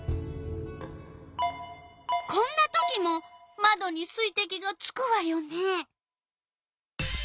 こんなときもまどに水てきがつくわよね。